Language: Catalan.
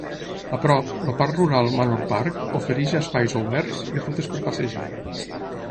A prop, el parc rural Manor Park ofereix espais oberts i rutes per passejar.